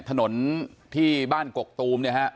ถนนที่บ้านกกตูมเนี่ยฮะ